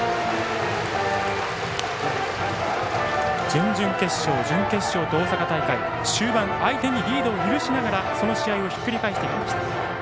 準々決勝、準決勝と大阪大会終盤、相手にリードを許しながらその試合をひっくり返してきました。